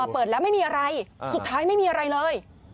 เปิดแล้วไม่มีอะไรสุดท้ายไม่มีอะไรเลย